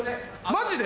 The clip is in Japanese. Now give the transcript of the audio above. マジで？